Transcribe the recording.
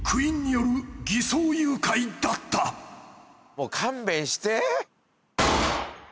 もう勘弁して。